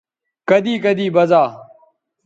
کدی کدی بزا